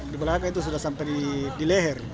di belakang itu sudah sampai di leher